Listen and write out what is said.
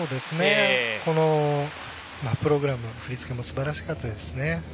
このプログラム振り付けもすばらしかったですね。